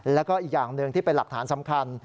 แล้วก็อีกอย่างหนึ่งที่เป็นหลักฐานสำคัญ